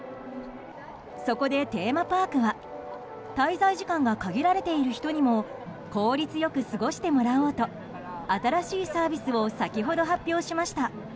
そこで、テーマパークは滞在時間が限られている人にも効率よく過ごしてもらおうと新しいサービスを先ほど発表しました。